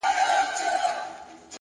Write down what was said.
نظم د سترو پلانونو بنسټ جوړوي.!